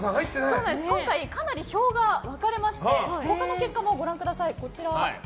今回、かなり票が分かれまして他の結果もご覧ください。